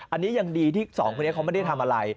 อันนี้ยังดีที่สองคนนี้เขาไม่ได้ทำอะไร